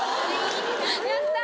やった。